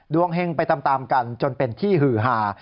เฮงไปตามกันจนเป็นที่หือหา